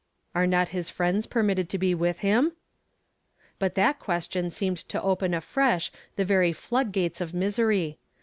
" Are not his friends permitted to be with him ? But that question seemed co open afresh the very flood gates of misery.